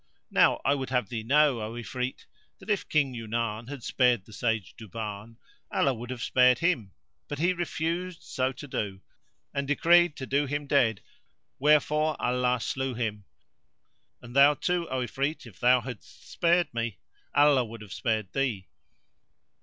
Now I would have thee know, O Ifrit, that if King Yunan had spared the Sage Duban, Allah would have spared him, but he refused so to do and decreed to do him dead, wherefore Allah slew him; and thou too, O Ifrit, if thou hadst spared me, Allah would have spared thee.